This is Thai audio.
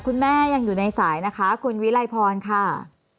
คุณแม่ยังอยู่ในสายนะคะคุณวิไลพรค่ะ